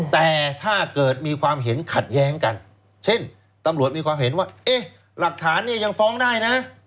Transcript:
แต่ถ้าเกิดมีความเห็นขัดแย้งกันเช่นตำรวจมีความเห็นว่าเอ๊ะหลักฐานเนี่ยยังฟ้องได้นะ